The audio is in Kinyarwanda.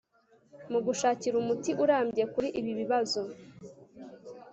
Mu gashakira umuti urambye kuri ibi bibazo